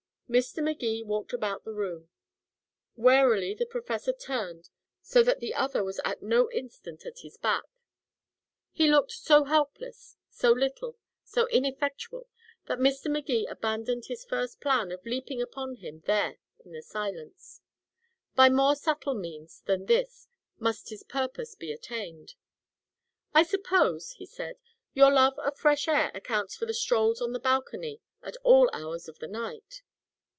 Mr. Magee walked about the room. Warily the professor turned so that the other was at no instant at his back. He looked so helpless, so little, so ineffectual, that Mr. Magee abandoned his first plan of leaping upon him there in the silence. By more subtle means than this must his purpose be attained. "I suppose," he said, "your love of fresh air accounts for the strolls on the balcony at all hours of the night?"